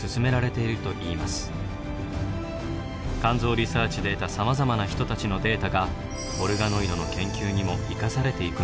肝臓リサーチで得たさまざまな人たちのデータがオルガノイドの研究にも生かされていくのです。